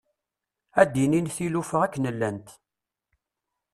Ad d-inin tilufa akken llant.